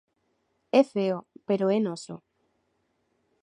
É feo, pero é noso.